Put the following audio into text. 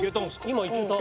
今いけた。